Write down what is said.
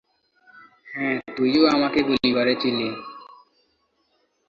হ্যাঁ, তুইও আমাকে গুলি করেছিলি!